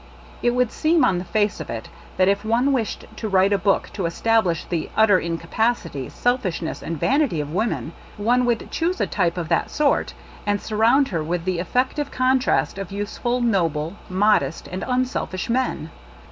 It would seem on the face of it that if one wished to write a book to estab lish the utter incapacity, selfishness and vanity of women ; one would choose a type of that sort, and sur round her with the effective contrast of useful, noble, modest and unselfish men.